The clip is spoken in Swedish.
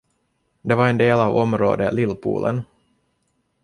Det var en del av området Lillpolen.